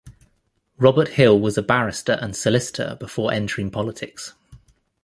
Robert Hill was a barrister and solicitor before entering politics.